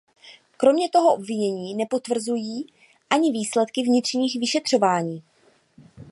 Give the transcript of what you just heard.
Kromě toho obvinění nepotvrzují ani výsledky vnitřních vyšetřování.